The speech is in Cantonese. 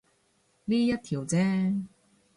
呢一條啫